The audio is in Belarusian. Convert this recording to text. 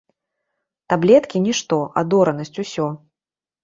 Таблеткі нішто, адоранасць усё.